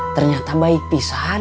ternyata baik pisah